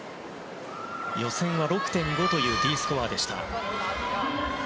予選は６．５というＤスコアでした。